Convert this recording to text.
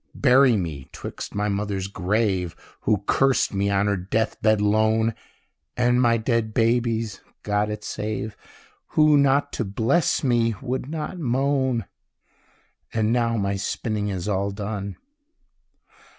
Bury me 'twixt my mother's grave, (Who cursed me on her death bed lone) And my dead baby's (God it save!) Who, not to bless me, would not moan. And now my spinning is all done.